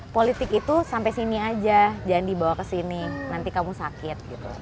politik itu sampai sini aja jangan dibawa ke sini nanti kamu sakit gitu